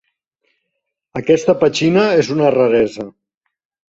Aquesta petxina és una raresa.